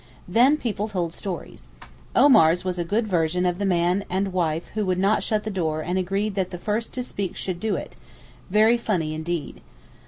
Then people told stories. Omar's was a good version of the man and wife who would not shut the door and agreed that the first to speak should do it—very funny indeed.